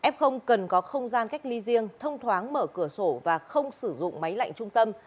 f cần có không gian cách ly riêng thông thoáng mở cửa sổ và không sử dụng máy lạnh trung tâm